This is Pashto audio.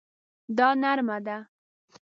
دا نرمه ده